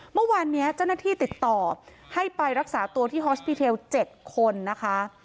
เมื่อวานนี้เจ้าหน้าที่ติดต่อให้ไปรักษาตัวที่ฮอสปีเทล๗คนนะคะ